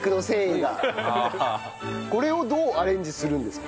これをどうアレンジするんですか？